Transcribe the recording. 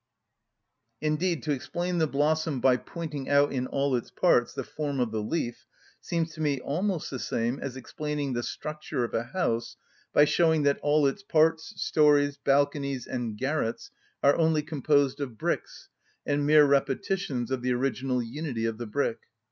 Indeed, to explain the blossom by pointing out in all its parts the form of the leaf seems to me almost the same as explaining the structure of a house by showing that all its parts, storeys, balconies, and garrets, are only composed of bricks and mere repetitions of the original unity of the brick.